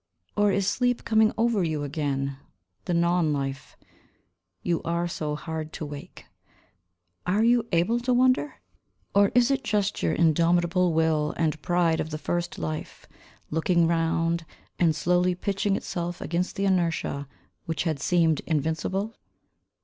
Or is sleep coming over you again, The non life? You are so hard to wake. Are you able to wonder? Or is it just your indomitable will and pride of the first life Looking round And slowly pitching itself against the inertia Which had seemed invincible?